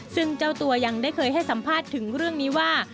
ซึ่งเจ้าตัวยังได้เคยให้สัมภาษณ์ถึงเรื่องนี้ว่า